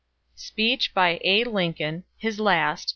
(Speech by A. Lincoln, his last!